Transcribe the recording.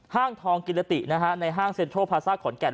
ห้างทองกิรติในห้างเซ็นทรัลพาซ่าขอนแก่น